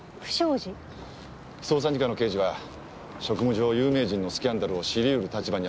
捜査２課の刑事は職務上有名人のスキャンダルを知りうる立場にあります。